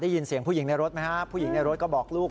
ได้ยินเสียงผู้หญิงในรถไหมฮะผู้หญิงในรถก็บอกลูก